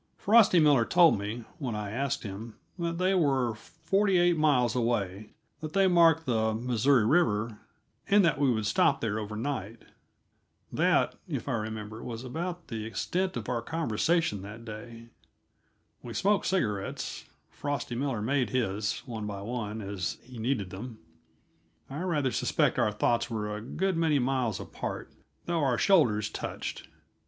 Frosty Miller told me, when I asked him, that they were forty eight miles away, that they marked the Missouri River, and that we would stop there overnight. That, if I remember, was about the extent of our conversation that day. We smoked cigarettes Frosty Miller made his, one by one, as he needed them and thought our own thoughts. I rather suspect our thoughts were a good many miles apart, though our shoulders touched.